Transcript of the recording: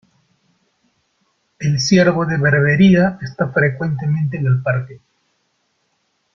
El ciervo de Berbería esta frecuentemente en el parque.